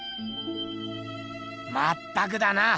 まったくだな。